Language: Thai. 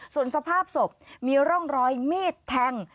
ส่วนสภาพศพมีร่องรอยมีดแทง